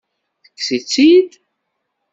Tekkes-itt-id?